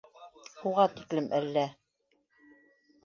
Уға тиклем әллә